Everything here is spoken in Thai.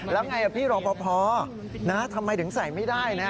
แล้วไงพี่รอปภทำไมถึงใส่ไม่ได้นะ